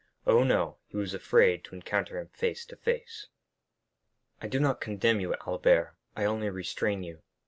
Oh, no, he was afraid to encounter him face to face." "I do not condemn you, Albert; I only restrain you.